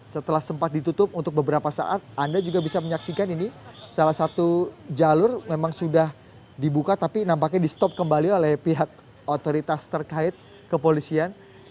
setelah sempat ditutup untuk beberapa saat anda juga bisa menyaksikan ini salah satu jalur memang sudah dibuka tapi nampaknya di stop kembali oleh pihak otoritas terkait kepolisian